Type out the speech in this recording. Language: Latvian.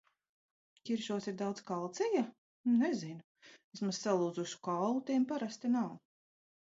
Ķiršos ir daudz kalcija? Nezinu. Vismaz salūzušu kaulu tiem parasti nav!